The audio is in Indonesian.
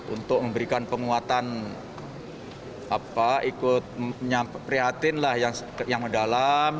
untuk memberikan penguatan ikut prihatin yang mendalam